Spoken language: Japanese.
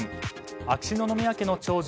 秋篠宮家の長女